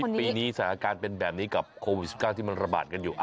ปีนี้สถานการณ์เป็นแบบนี้กับโควิด๑๙ที่มันระบาดกันอยู่